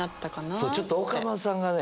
そうちょっと岡村さんがね。